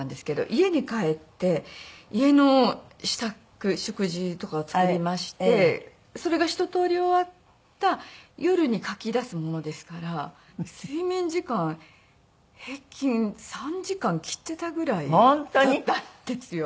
家に帰って家の支度食事とかを作りましてそれが一通り終わった夜に書き出すものですから睡眠時間平均３時間切っていたぐらいだったんですよ。